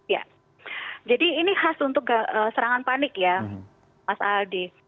ya jadi ini khas untuk serangan panik ya mas aldi